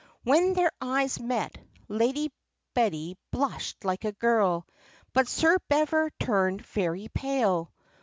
When their eyes met Lady Betty blushed like a girl, but Sir Bever turned very pale.